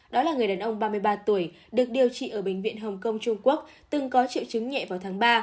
đó là người đàn ông ba mươi ba tuổi được điều trị ở bệnh viện hồng kông trung quốc từng có triệu chứng nhẹ vào tháng ba